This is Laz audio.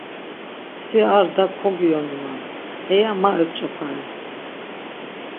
Si ar da kogiyonunan, heya ma ep̌ç̌opare.